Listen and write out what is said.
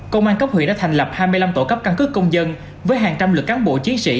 công an cấp huyện đã thành lập hai mươi năm tổ cấp căn cứ công dân với hàng trăm lực cán bộ chiến sĩ